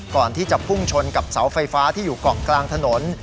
ก่อนที่จะพุ่งชนกับเสาไฟฟ้าที่อยู่เกาะกลางถนน